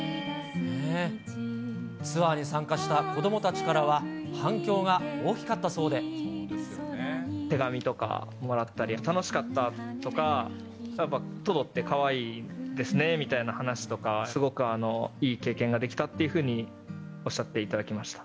ツアーに参加した子どもたちからは、手紙とかもらったり、楽しかったとか、やっぱりトドってかわいいですねみたいな話とか、すごくいい経験ができたっていうふうにおっしゃっていただきました。